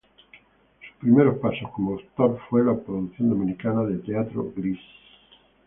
Sus primeros pasos como actor fue en la producción dominicana de teatro Grease.